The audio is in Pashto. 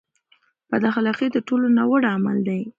بد اخلاقي تر ټولو ناوړه عمل دی.